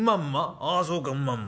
ああそうかんまんま。